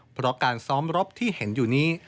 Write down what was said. เพราะการซ้อมรบที่เห็นอยู่นี้